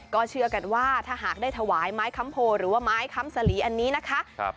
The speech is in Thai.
ก็เชื่อกันว่าถ้าหากได้ถวายไม้คำโพหรือว่าไม้คำสลีอันนี้นะคะ